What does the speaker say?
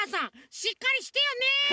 しっかりしてよね。